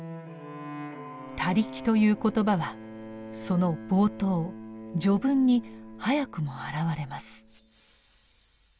「他力」という言葉はその冒頭序文に早くも現れます。